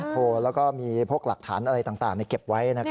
โทรแล้วก็มีพวกหลักฐานอะไรต่างเก็บไว้